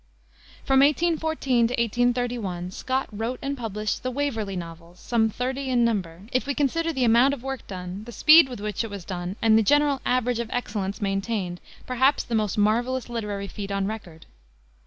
From 1814 to 1831 Scott wrote and published the Waverley novels, some thirty in number; if we consider the amount of work done, the speed with which it was done, and the general average of excellence maintained, perhaps the most marvelous literary feat on record.